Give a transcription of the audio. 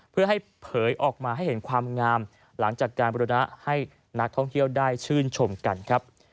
เพื่อให้เผยออกมาให้เห็นความงามหลังจากการบริณะให้นักท่องเที่ยวได้ชื่นชมกันครับ